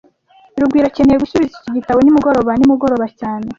Rugwiro akeneye gusubiza iki gitabo nimugoroba nimugoroba cyane